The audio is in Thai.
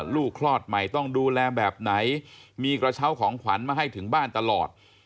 คลอดใหม่ต้องดูแลแบบไหนมีกระเช้าของขวัญมาให้ถึงบ้านตลอด